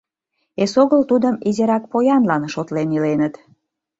Эсогыл тудым изирак поянлан шотлен иленыт.